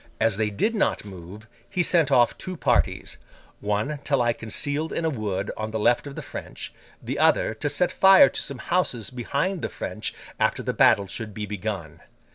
As they did not move, he sent off two parties:—one to lie concealed in a wood on the left of the French: the other, to set fire to some houses behind the French after the battle should be begun.